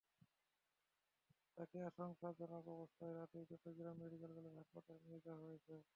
তাঁকে আশঙ্কাজনক অবস্থায় রাতেই চট্টগ্রাম মেডিকেল কলেজ হাসপাতালে নিয়ে যাওয়া হয়েছে।